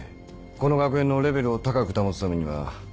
「この学園のレベルを高く保つためには」